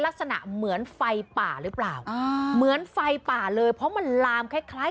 ลักษณะเหมือนไฟป่าหรือเปล่าอ่าเหมือนไฟป่าเลยเพราะมันลามคล้ายคล้าย